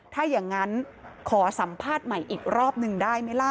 ถ้าอย่างนั้นขอสัมภาษณ์ใหม่อีกรอบหนึ่งได้ไหมล่ะ